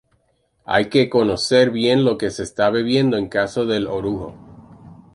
Hay que conocer bien lo que se está bebiendo en el caso del orujo.